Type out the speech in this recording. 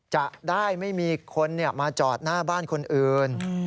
จะได้ไม่มีคนมาจอดหน้าบ้านคนอื่น